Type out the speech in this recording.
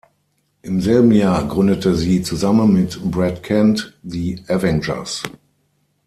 Im selben Jahr gründete sie zusammen mit Brad Kent die "Avengers".